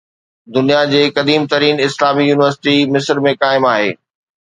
دنيا جي قديم ترين اسلامي يونيورسٽي مصر ۾ قائم آهي